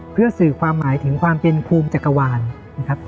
เพื่อสื่อความหมายถึงความเป็นภูมิจักรวาลนะครับ